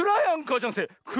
じゃなく